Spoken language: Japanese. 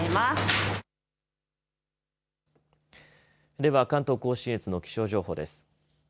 では、関東甲信越の気象情報です。